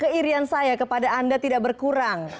keirian saya kepada anda tidak berkurang